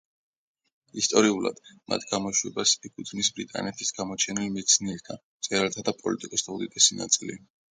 ისტორიულად, მათ გამოშვებას ეკუთვნის ბრიტანეთის გამოჩენილ მეცნიერთა, მწერალთა და პოლიტიკოსთა უდიდესი ნაწილი.